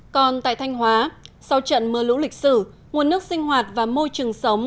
còn tại thanh hóa sau trận mưa lũ lịch sử nguồn nước sinh hoạt và môi trường sống